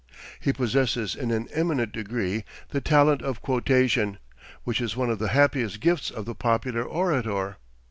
He possesses in an eminent degree the talent of quotation, which is one of the happiest gifts of the popular orator.